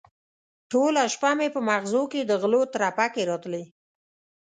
ټوله شپه مې په مغزو کې د غلو ترپکې راتلې.